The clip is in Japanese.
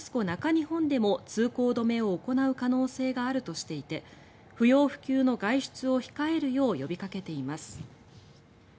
中日本でも通行止めを行う可能性があるとしていて不要不急の外出を控えるよう呼びかけています。